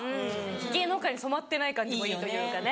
芸能界に染まってない感じもいいというかね。